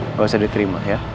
nggak usah diterima ya